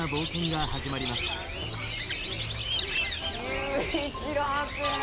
佑一郎君！